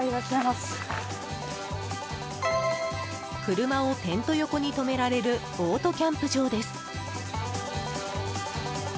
車をテント横に止められるオートキャンプ場です。